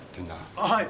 ああはい！